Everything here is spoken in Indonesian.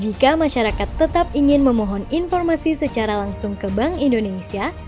jika masyarakat tetap ingin memohon informasi secara langsung ke bank indonesia